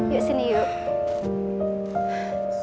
yuk sini yuk